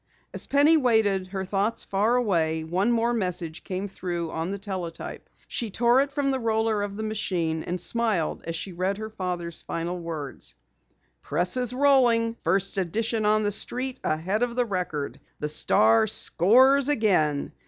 As Penny waited, her thoughts far away, one more message came through on the teletype. She tore it from the roller of the machine, and smiled as she read her father's final words: "PRESSES ROLLING. FIRST EDITION ON THE STREET AHEAD OF THE RECORD. THE STAR SCORES AGAIN.